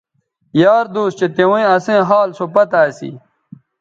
یار دوس چہء تیویں اسئیں حال سو پتہ اسی